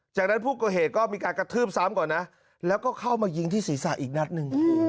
จากนั้นผู้ก่อเหตุก็มีการกระทืบซ้ำก่อนนะแล้วก็เข้ามายิงที่ศีรษะอีกนัดหนึ่ง